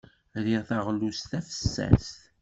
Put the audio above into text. Riɣ taɣlust tafessast.